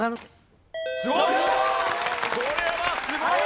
すごい！